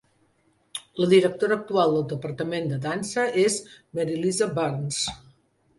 La directora actual del departament de dansa és Mary Lisa Burns.